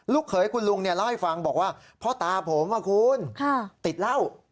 ลูกเขยคุณลุงเนี่ยเราให้ฟังบอกว่าพ่อตาผมอะคุณค่ะติดเหล้า